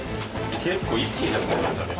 結構一気になくなりましたね。